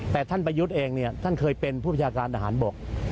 แต่ท่านประยุทธ์เองเนี่ยท่านเคยเป็นผู้ประชาการทหารบก